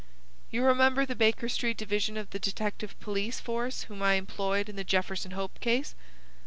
"You remember the Baker Street division of the detective police force whom I employed in the Jefferson Hope case?"